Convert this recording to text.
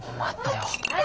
はい。